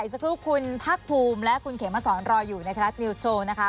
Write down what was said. สักครู่คุณภาคภูมิและคุณเขมสอนรออยู่ในไทยรัฐนิวส์โชว์นะคะ